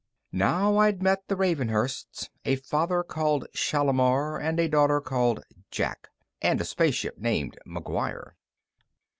Now I'd met the Ravenhursts: A father called Shalimar and a daughter called Jack. And a spaceship named McGuire.